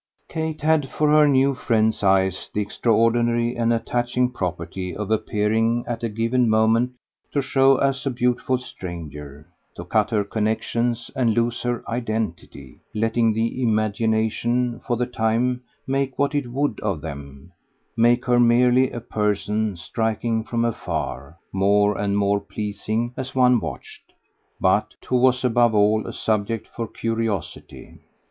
Kate had for her new friend's eyes the extraordinary and attaching property of appearing at a given moment to show as a beautiful stranger, to cut her connexions and lose her identity, letting the imagination for the time make what it would of them make her merely a person striking from afar, more and more pleasing as one watched, but who was above all a subject for curiosity.